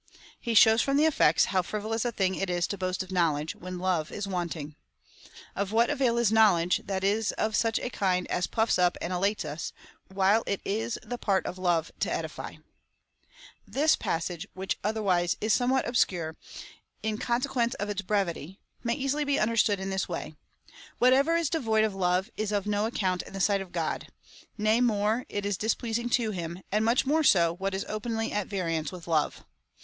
He shows, from the effects, how fri volous a thing it is to boast of knowledge, when love is want ing. " Of what avail is knowledge, that is of such a kind as puffs us up and elates us, while it is the part of love to edify ?" This passage, which otherwise is somewhat obscure, in con CHAP. VIII. 1. FIRST EPISTLE TO THE CORINTHIANS. 273 sequence of its brevity, may easily be understood in this way —" "Whatever is devoid of love is of no account in the sight of God ; nay more, it is displeasing to liim, and much more so what is openly at variance with love.